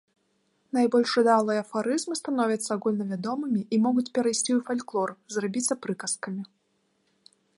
Найбольш удалыя афарызмы становяцца агульнавядомымі і могуць перайсці ў фальклор, зрабіцца прыказкамі.